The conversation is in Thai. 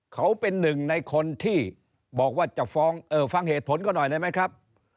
เขาเป็นหนึ่งในคนที่บอกว่าจะฟ้องฟังเหตุผลเขาหน่อยได้ไหมครับ